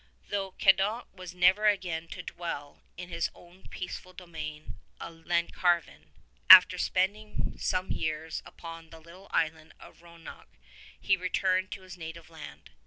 Though Cadoc was never again to dwell in his own peace ful domain of Llancarvan, after spending some years upon the little island of Ronech he returned to his native land.